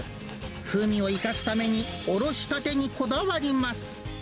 風味を生かすために、おろしたてにこだわります。